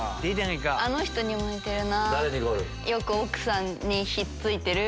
あの人にも似てるな。